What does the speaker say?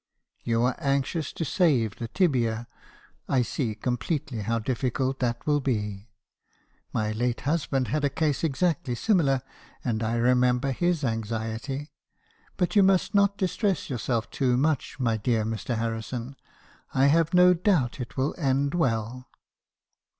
"'You are anxious to save the tibia, — I see completely how difficult that will be. My late husband had a case exactly similar, and I remember his anxiety; but you must not distress yourself too much , my dear Mr. Harrison ; I have no doubt it will end well.'